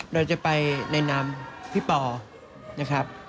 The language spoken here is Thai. เราจะไปในนามพี่ปอนะครับ